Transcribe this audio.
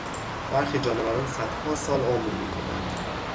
برخی جانوران صدها سال عمر میکنند.